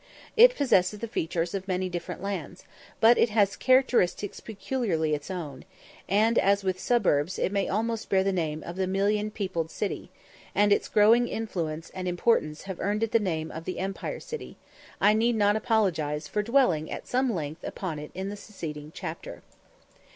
It possesses the features of many different lands, but it has characteristics peculiarly its own; and as with its suburbs it may almost bear the name of the "million peopled city," and as its growing influence and importance have earned it the name of the Empire City, I need not apologise for dwelling at some length upon it in the succeeding chapter.